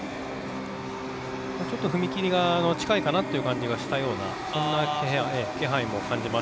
ちょっと踏み切りが近いかなという感じがしたような気配も感じます。